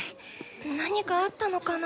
何かあったのかな？